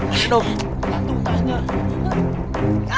aduh tak tunggu tanya